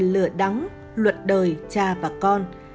lửa đắng luật đời cha và con